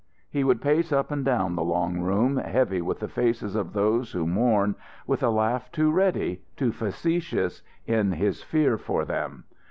He would pace up and down the long room, heavy with the faces of those who mourn, with a laugh too ready, too facetious in his fear for them.